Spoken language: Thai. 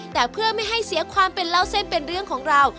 แต่เพื่อไม่ให้เสียความเป็นเล่าเส้นเป็นเรื่องของเรา